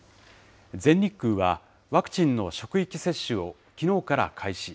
全日空はワクチンの職域接種をきのうから開始。